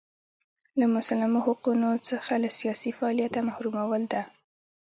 له مسلمو حقونو څخه له سیاسي فعالیته محرومول ده.